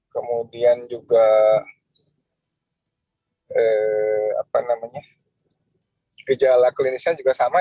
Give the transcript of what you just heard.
kemudian juga gejala klinisnya juga sama